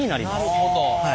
なるほど。